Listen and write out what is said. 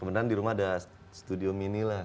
kemudian di rumah ada studio mini lah